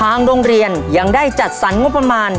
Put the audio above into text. ทางโรงเรียนยังได้จัดซื้อหม้อหุงข้าวขนาด๑๐ลิตร